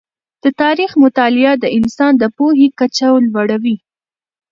د تاریخ مطالعه د انسان د پوهې کچه لوړوي.